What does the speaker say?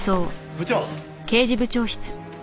部長。